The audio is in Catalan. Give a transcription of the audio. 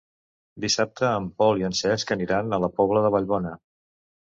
Dissabte en Pol i en Cesc aniran a la Pobla de Vallbona.